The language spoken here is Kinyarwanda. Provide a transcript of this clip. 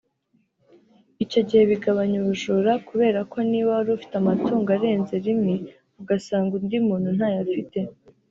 Icyo gihe bigabanya ubujura kubera ko niba wari ufite amatungo arenze rimwe ugasanga undi muntu nta yo afite